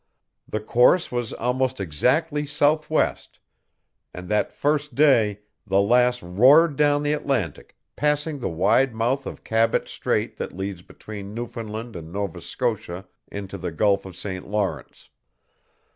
The course was almost exactly southwest, and that first day the Lass roared down the Atlantic, passing the wide mouth of Cabot Strait that leads between Newfoundland and Nova Scotia into the Gulf of St. Lawrence.